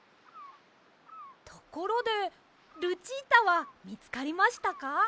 ところでルチータはみつかりましたか？